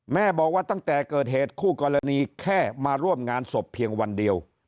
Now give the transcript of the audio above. แม่บอกว่าตั้งแต่เกิดเหตุคู่กรณีแค่มาร่วมงานศพเพียงวันเดียว